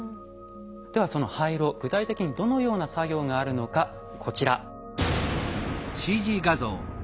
その廃炉具体的にどのような作業があるのかこちら。